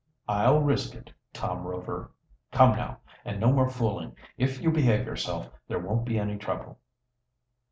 "I'll risk it, Tom Rover. Come now, and no more fooling. If you behave yourself, there won't be any trouble."